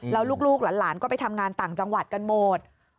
แล้วลูกหลานก็ไปทำงานต่างจังหวัดกันหมด